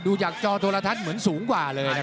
ดูจากจอโทรทัศน์เหมือนสูงกว่าเลยนะครับ